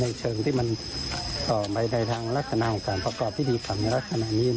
ในเชิงที่มันออกมาในทางรักษณะของการประกอบที่ดีต่างนรกนาตรนนี้